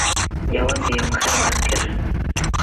یوازې یو خر ورکړ.